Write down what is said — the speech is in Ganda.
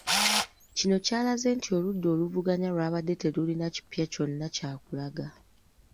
Kino kyalaze nti oludda oluvuganya lwabadde terulina kipya kyonna kyakulaga.